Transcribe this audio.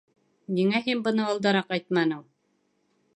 Ниңә һин быны алдараҡ әйтмәнең?